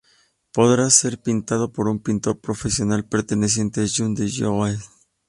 Podría ser pintado por un pintor profesional perteneciente a "Jung" de Joseon.